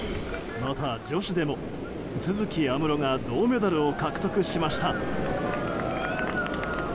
また、女子でも都筑有夢路が銅メダルを獲得しました。